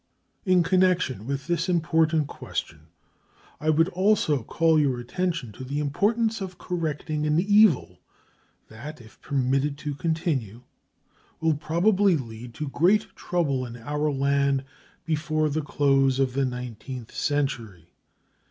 In connection with this important question I would also call your attention to the importance of correcting an evil that, if permitted to continue, will probably lead to great trouble in our land before the close of the nineteenth century.